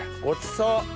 ごちそう！